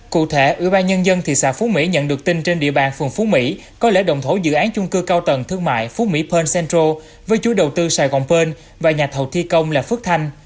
cụ thể ủy ban nhân dân thị xã phú mỹ nhận được tin trên địa bàn phường phú mỹ có lễ động thổ dự án chung cư cao tầng thương mại phú mỹ pearl central với chuối đầu tư sài gòn pearl và nhà thầu thi công là phước thanh